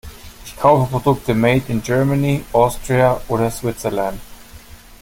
Ich kaufe Produkte made in Germany, Austria oder Switzerland.